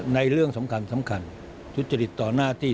ในเรื่องสำคัญทุฏจฤทธิคต่อนหน้าที่